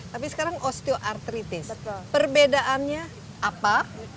tapi sekarang osteoartritis perbedaannya apa